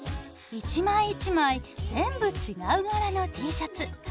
一枚一枚全部違うがらのＴシャツ。